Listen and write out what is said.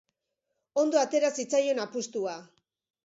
Ondo atera zitzaion apustua.